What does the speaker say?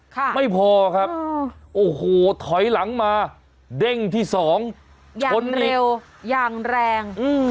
ไม่พอครับโอ้โหถอยหลังมาเด้งที่สองอย่างชนเร็วอย่างแรงอืม